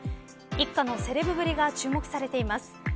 一家のセレブぶりが注目されています。